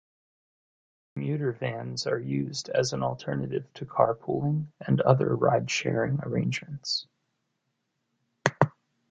Commuter vans are used as an alternative to carpooling and other ride sharing arrangements.